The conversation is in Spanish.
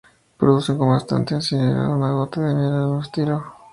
Producen con bastante asiduidad una gota de miel en el ostiolo.